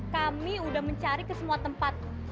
kami sudah mencari ke semua tempat